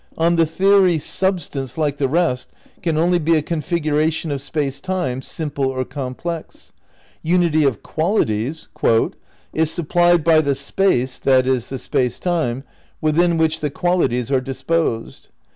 On the theory, substance, like the rest, can only be a configuration of Space Time, simple or complex. Unity of qualities "is supplied by the Space (that is the space time) within which the qualities are disposed.